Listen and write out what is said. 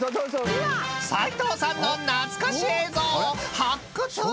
［斉藤さんの懐かし映像発掘！］